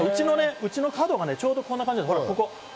うちの角がちょうどこんな感じなの。